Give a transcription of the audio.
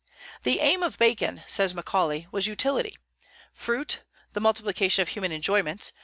"The aim of Bacon," says Macaulay, "was utility, fruit; the multiplication of human enjoyments